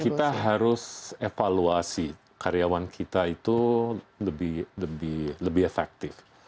kita harus evaluasi karyawan kita itu lebih efektif